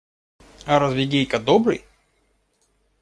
А разве Гейка добрый?